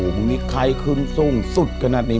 มีไขขึ้นสุ่งสุดขนาดนี้